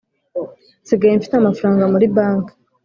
Nsigaye nfite amafaranga muri bank